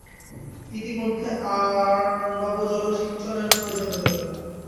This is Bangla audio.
ইতিমধ্যে আর নবজলসিঞ্চনের প্রয়োজন রহিল না।